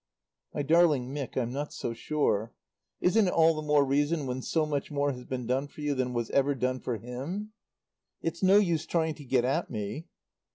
"My darling Mick, I'm not so sure. Isn't it all the more reason, when so much more has been done for you than was ever done for him?" "It's no use trying to get at me."